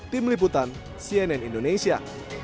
tim liputan cnn indonesia